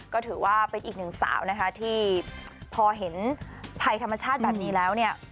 ก็ถือว่าเป็นอีกหนึ่งสาวนะคะที่พอเห็นภัยธรรมชาติแบบนี้แล้วเนี่ย